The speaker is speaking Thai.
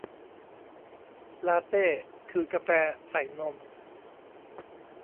ลาเต้ คือกาแฟใส่นม